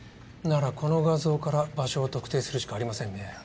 ならこの画像から場所を特定するしかありませんね。